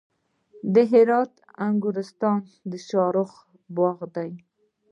د هرات انګورستان د شاهرخ باغ دی